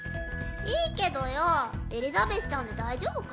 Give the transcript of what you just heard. いいけどよぉエリザベスちゃんで大丈夫か？